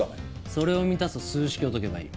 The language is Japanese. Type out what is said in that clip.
それを満たす数式を解けばいい。